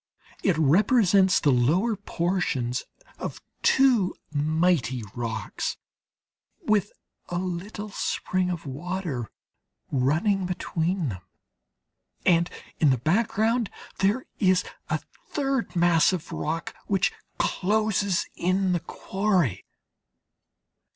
It represents the lower portions of two mighty rocks, with a little spring of water running between them, and in the background there is a third mass of rock which closes in the quarry.